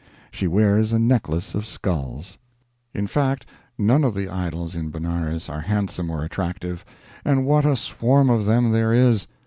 She wears a necklace of skulls. In fact, none of the idols in Benares are handsome or attractive. And what a swarm of them there is!